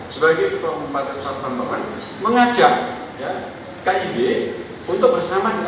sebagai pembatasan pembawa mengajak kib untuk bersama dengan